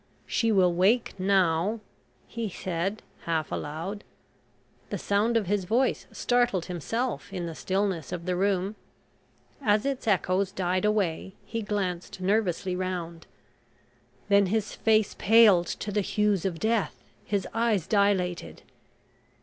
"She will wake now," he said, half aloud. The sound of his voice startled himself in the stillness of the room. As its echoes died away he glanced nervously round. Then his face paled to the hues of death, his eyes dilated.